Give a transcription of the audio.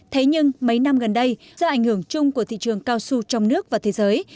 thế nhưng mấy năm gần đây do ảnh hưởng chung của thị trường cao su trong nước và thế giới